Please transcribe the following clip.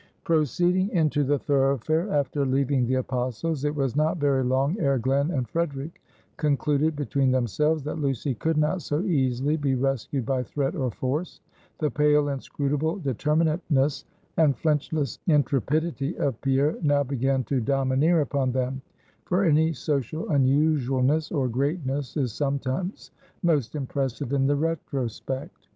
Proceeding into the thoroughfare, after leaving the Apostles', it was not very long ere Glen and Frederic concluded between themselves, that Lucy could not so easily be rescued by threat or force. The pale, inscrutable determinateness, and flinchless intrepidity of Pierre, now began to domineer upon them; for any social unusualness or greatness is sometimes most impressive in the retrospect.